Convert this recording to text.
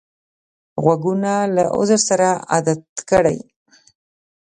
غوږونه له عذر سره عادت کړی